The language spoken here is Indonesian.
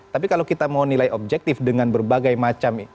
tapi kalau kita mau nilai objektif dengan berbagai macam